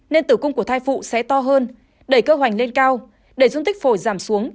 nên tử cung của thai phụ sẽ to hơn đẩy cơ hoành lên cao đẩy dung tích phổi giảm xuống